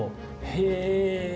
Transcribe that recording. へえ。